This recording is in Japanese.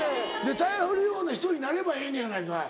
頼られるような人になればええねやないかい。